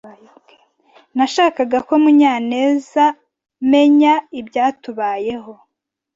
Nashakaga ko Munyanezamenya ibyatubayeho.